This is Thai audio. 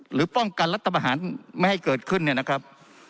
หรือป้องกันรัฐประหารไม่ให้เกิดขึ้นเนี่ยนะครับ